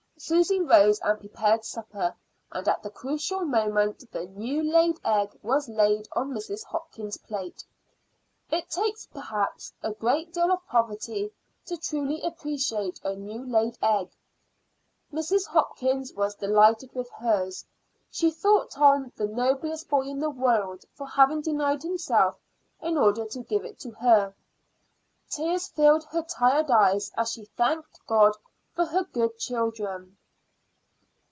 Susy rose and prepared supper, and at the crucial moment the new laid egg was laid on Mrs. Hopkins's plate. It takes, perhaps, a great deal of poverty to truly appreciate a new laid egg. Mrs. Hopkins was delighted with hers; she thought Tom the noblest boy in the world for having denied himself in order to give it to her. Tears filled her tired eyes as she thanked God for her good children.